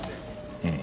うん。